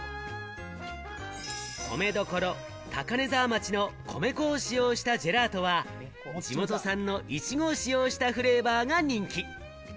米どころ・高根沢町の米粉を使用したジェラートは、地元産のいちごを使用したフレーバーが人気。